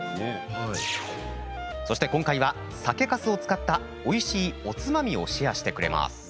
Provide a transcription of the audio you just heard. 今回は、酒かすを使ったおいしいおつまみをシェアしてくれます。